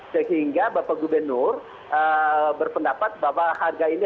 sehingga bapak gubernur berpendapat bahwa harga ini